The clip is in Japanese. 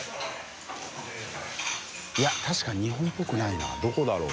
い確かに日本っぽくないなどこだろう？